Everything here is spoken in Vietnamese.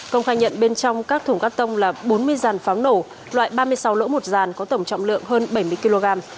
công khai nhận bên trong các thủng carton là bốn mươi ràn pháo nổ loại ba mươi sáu lỗ một ràn có tổng trọng lượng hơn bảy mươi kg